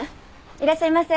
いらっしゃいませ。